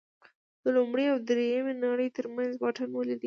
د لومړۍ او درېیمې نړۍ ترمنځ واټن ولې دی.